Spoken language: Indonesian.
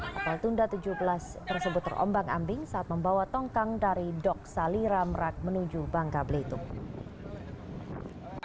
kapal tunda tujuh belas tersebut terombang ambing saat membawa tongkang dari dok salira merak menuju bangka belitung